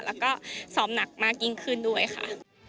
แล้วก็ซ้อมหนักมากยิ่งขึ้นด้วยค่ะ